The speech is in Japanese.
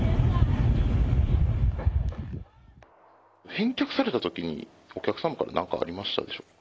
返却されたときに、お客様からなんかありましたでしょうか。